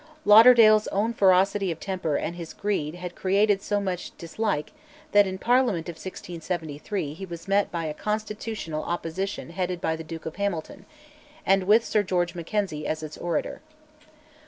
Lauderdale's own ferocity of temper and his greed had created so much dislike that in the Parliament of 1673 he was met by a constitutional opposition headed by the Duke of Hamilton, and with Sir George Mackenzie as its orator.